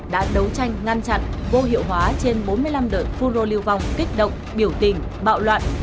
đã đấu tranh ngăn chặn vô hiệu hóa trên bốn mươi năm đội phu rô liêu vong kích động biểu tình bạo loạn